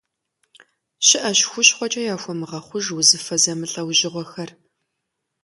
Щыӏэщ хущхъуэкӏэ яхуэмыгъэхъуж узыфэ зэмылӏэужьыгъуэхэр.